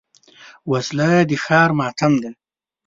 وسله د ښار ماتم ده